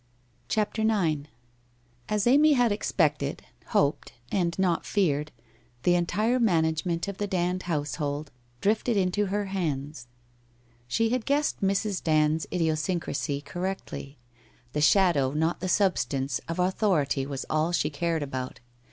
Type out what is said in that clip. CHAPTER IX As Amy had expected, hoped, and not feared, the entire management of the Dand household drifted into her hands. She had guessed Mrs. Dand's idiosyncrasy cor rectly. The shadow, not the substance, of authority was all she cared about.